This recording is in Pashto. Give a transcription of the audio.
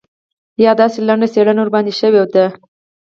یا داسې لنډه څېړنه ورباندې شوې ده.